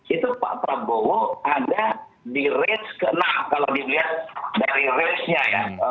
itu pak prabowo ada di range ke enam kalau dilihat dari range nya ya